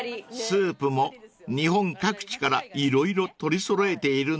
［スープも日本各地から色々取り揃えているんですって］